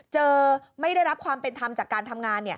ไม่ได้รับความเป็นธรรมจากการทำงาน